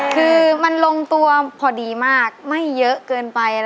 คือมันลงตัวพอดีมากไม่เยอะเกินไป